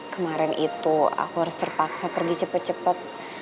kemarin itu aku harus terpaksa pergi cepet cepet